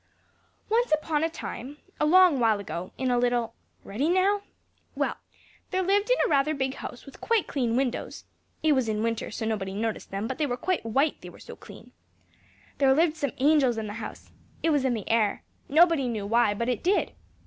"Once upon a time a long while ago, in a little Ready now? Well, there lived in a rather big house, with quite clean windows: it was in winter, so nobody noticed them, but they were quite white, they were so clean. There lived some angels in the house: it was in the air, nobody knew why, but it did.